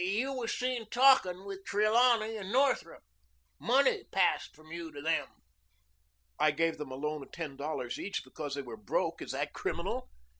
"You was seen talking with Trelawney and Northrup. Money passed from you to them." "I gave them a loan of ten dollars each because they were broke. Is that criminal?"